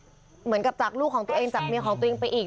แล้วมันคือเรื่องภายในครอบครัวในเครือญาติกันจริงเลยนะคะ